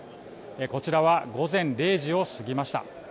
こちらは午前０時を過ぎました。